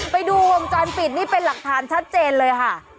ไปดูวงจรปิดนี่เป็นหลักฐานชัดเจนเลยค่ะ